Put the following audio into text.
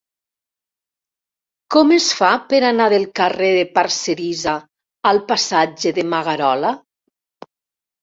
Com es fa per anar del carrer de Parcerisa al passatge de Magarola?